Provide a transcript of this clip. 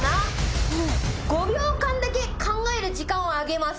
５秒間だけ考える時間をあげます。